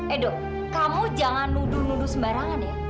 edo kamu jangan nudu nudu sembarangan ya